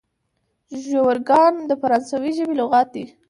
ژورګان د فرانسوي ژبي لغات دئ.